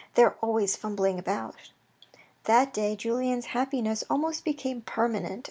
They are always fumbling about." That day Julien's happiness almost became permanent.